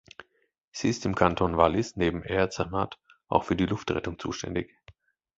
Sie ist im Kanton Wallis neben Air Zermatt auch für die Luftrettung zuständig.